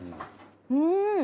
うん。